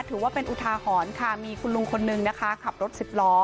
ถือว่าเป็นอุทาหรณ์ค่ะมีคุณลุงคนนึงนะคะขับรถสิบล้อ